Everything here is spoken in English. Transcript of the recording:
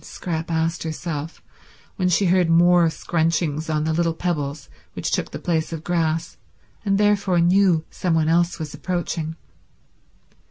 Scrap asked herself when she heard more scrunchings on the little pebbles which took the place of grass, and therefore knew some one else was approaching.